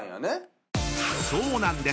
［そうなんです。